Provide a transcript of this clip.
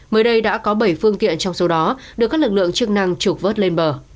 mới đây đã có bảy phương tiện trong số đó được các lực lượng chức năng trục vớt lên bờ